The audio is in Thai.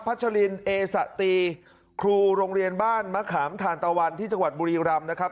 ชรินเอสะตีครูโรงเรียนบ้านมะขามทานตะวันที่จังหวัดบุรีรำนะครับ